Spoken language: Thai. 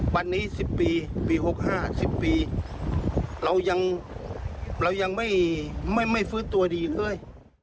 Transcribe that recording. วันนี้สิบปีปีหกห้าสิบปีเรายังไม่ฟื้นตัวดีเต้ย